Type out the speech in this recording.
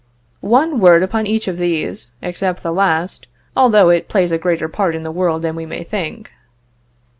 One word upon each of these, except the last, although it plays a greater part in the world than we may think.